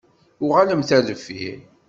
Uɣalemt ar deffir.